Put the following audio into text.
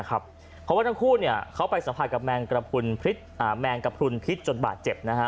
เพราะว่าทั้งคู่เขาไปสัมผัสกับแมงกระแมงกระพรุนพิษจนบาดเจ็บ